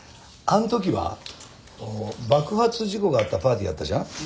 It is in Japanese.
あの爆発事故があったパーティーあったじゃん？